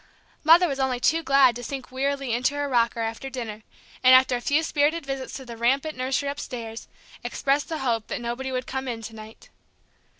Mother was only too glad to sink wearily into her rocker after dinner, and, after a few spirited visits to the rampant nursery upstairs, express the hope that nobody would come in to night.